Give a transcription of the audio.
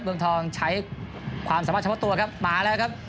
เมืองทองใช้ความสามารถเฉพาะตัวครับมาแล้วครับ